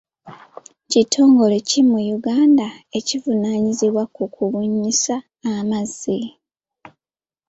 Kitongole ki mu Uganda ekivunaanyizibwa ku kubunyisa amazzi?